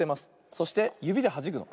そしてゆびではじくの。